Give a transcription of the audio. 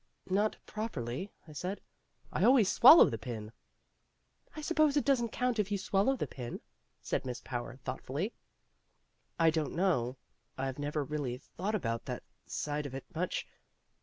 "Not properly," I said. "I always swallow the pin." "I suppose it doesn't count if you swallow the pin," said Miss Power thoughtfully. "I don't know. I've never really thought about that side of it much.